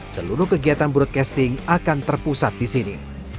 seluruh kegiatan broadcasting akan terpusat di sini